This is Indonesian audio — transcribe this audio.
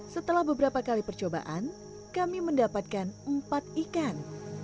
setelah beberapa kali percobaan kami mendapatkan empat ikan